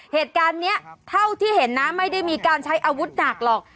เหตุการณ์นี้เท่าที่เห็นนะไม่ได้มีการใช้อาวุธหนักหรอก